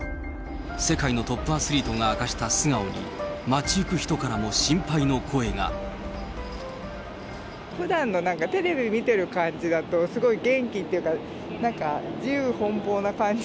世界のトップアスリートが明かした素顔に、ふだんの、なんかテレビ見てる感じだと、すごい元気っていうか、なんか自由奔放な感じ。